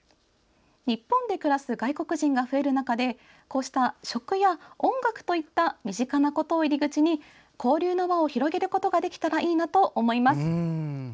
日本で暮らす外国人が増える中でこうした食や音楽といった身近なことを入り口に交流の輪を広げることができたらいいなと思います。